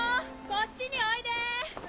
こっちにおいで！